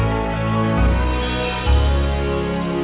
habis apa sih ya